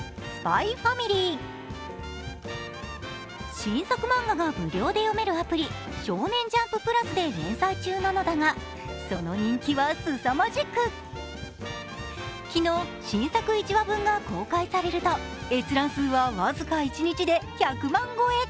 新作漫画が無料で読めるアプリ、「少年ジャンプ＋」で連載中なのだが、その人気はすさまじく昨日、新作１話分が公開されると閲覧数は僅か１日で１００万超え。